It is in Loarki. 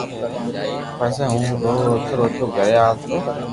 پسو ھون روتو روتو گھري آوتو